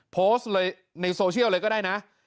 โพสต์เลยในโซเชียลเลยก็ได้นะ